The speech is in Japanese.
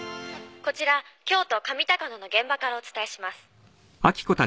こちら京都上高野の現場からお伝えします。